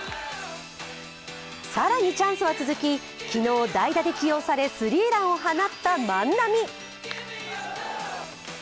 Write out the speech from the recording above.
更にチャンスは続き、昨日、代打で起用されスリーランを放った万波。